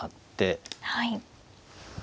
はい。